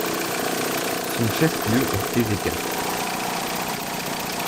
Son chef-lieu est Éséka.